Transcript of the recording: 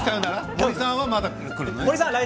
森さんは来週も来るのね。